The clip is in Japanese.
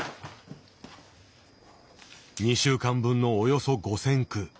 ２週間分のおよそ５，０００句。